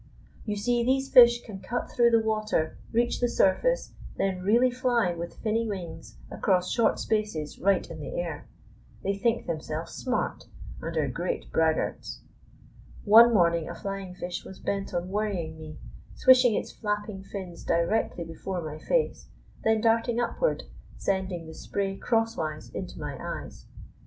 You see, these fish can cut through the water, reach the surface, then really fly with finny wings across short spaces right in the air. They think themselves smart, and are great braggarts. One morning a flying fish was bent on worrying me, swishing its flapping fins directly before my face, then darting upward, sending the spray cross wise into my eyes.